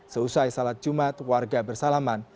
seusai salat jumat warga bersalaman